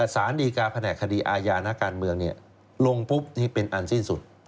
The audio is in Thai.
สารดีการแผนกคดีอาญานักการเมืองลงปุ๊บนี่เป็นอันสิ้นสุด